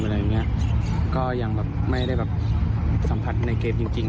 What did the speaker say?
อะไรอย่างเงี้ยก็ยังแบบไม่ได้แบบสัมผัสในเกมจริงจริง